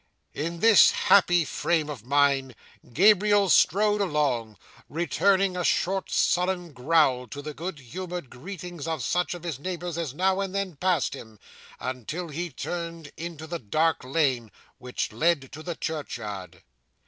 'In this happy frame of mind, Gabriel strode along, returning a short, sullen growl to the good humoured greetings of such of his neighbours as now and then passed him, until he turned into the dark lane which led to the churchyard.